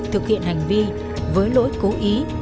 thực hiện hành vi với lỗi cố ý